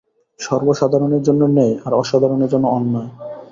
সর্বসাধারণের জন্যে ন্যায়, আর অসাধারণের জন্যে অন্যায়।